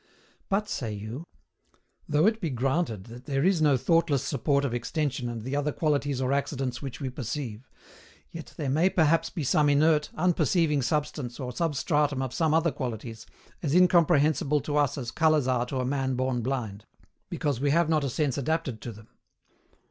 But, say you, though it be granted that there is no thoughtless support of extension and the other qualities or accidents which we perceive, yet there may perhaps be some inert, unperceiving substance or substratum of some other qualities, as incomprehensible to us as colours are to a man born blind, because we have not a sense adapted to them.